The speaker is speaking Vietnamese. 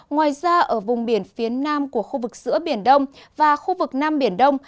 ngoài ra ở vùng biển phía nam của khu vực giữa biển đông và khu vực nam biển đông